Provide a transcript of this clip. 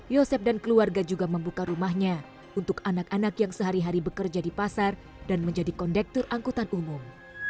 yosep dan keluarga juga membuka rumahnya untuk anak anak yang sehari hari bekerja di pasar dan menjadi kondektur angkutan umum